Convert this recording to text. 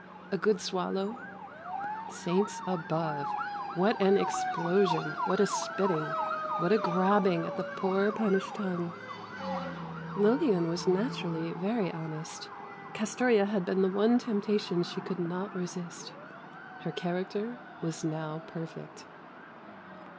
A good swallow—saints above! What an explosion, what a spitting, what a grabbing at the poor punished tongue! Lillian was naturally very honest. Castoria had been the one temptation she could not resist. Her character was now perfect.